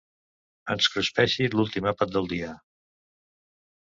Ens cruspeixi l'últim àpat del dia.